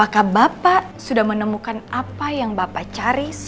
kamu gua ga mungkin